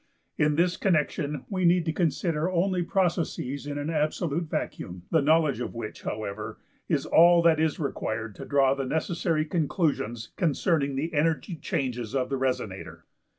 In this connexion we need to consider only processes in an absolute vacuum, the knowledge of which, however, is all that is required to draw the necessary conclusions concerning the energy changes of the resonator.